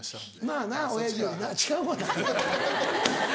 まぁな親父よりな違うわな。